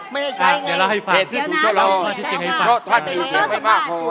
ไม่ใช่งั้ยเดี๋ยวนะเรามีที่จัดการให้ฟัง